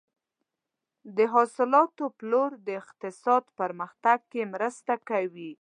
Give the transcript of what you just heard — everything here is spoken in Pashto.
د حاصلاتو پلور د اقتصاد پرمختګ کې مرسته کوي.